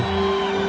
aku akan mencari dia